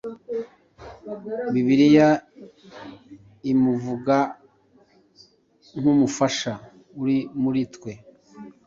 Bibliya imuvuga nk’« umufasha » uri muri twe